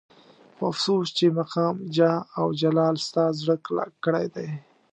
خو افسوس چې مقام جاه او جلال ستا زړه کلک کړی دی.